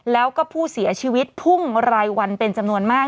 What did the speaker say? แล้วก็ผู้เสียชีวิตพุ่งรายวันเป็นจำนวนมาก